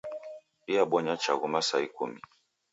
Diabonya chaghu masaa ikumi